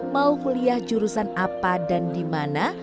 mau kuliah jurusan apa dan di mana